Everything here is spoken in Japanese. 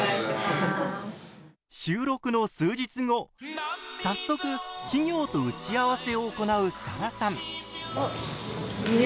収録の数日後早速企業と打ち合わせを行うサラさん。